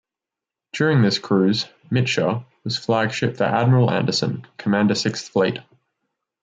During this cruise, "Mitscher" was flagship for Admiral Anderson, Commander Sixth Fleet.